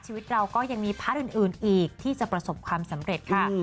ชีวิตเราก็ยังมีพระอื่นอีกที่จะประสบความสำเร็จค่ะ